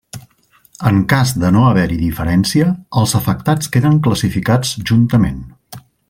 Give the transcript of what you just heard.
En cas de no haver-hi diferència, els afectats queden classificats juntament.